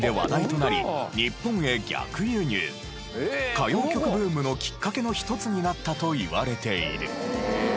歌謡曲ブームのきっかけの一つになったといわれている。